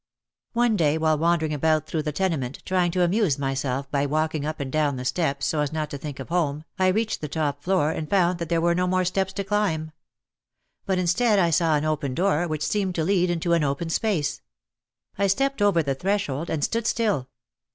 One day, while wandering about through the tenement, trying to amuse myself by walking up and down the steps, so as not to think of home, I reached the top floor and found that there were no more steps to climb. But in stead I saw an open door which seemed to lead into an open space. I stepped over the threshold and stood still.